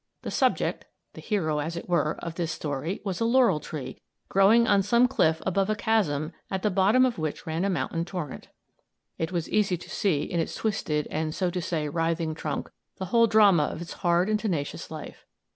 The subject the hero, as it were of this story was a laurel tree growing on some cliff above a chasm at the bottom of which ran a mountain torrent. "It was easy to see in its twisted and, so to say, writhing trunk, the whole drama of its hard and tenacious life.